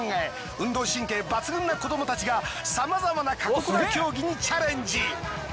運動神経抜群な子どもたちがさまざまな過酷な競技にチャレンジ。